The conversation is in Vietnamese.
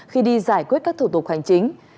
khi đi giải quyết các thủ tục hành chính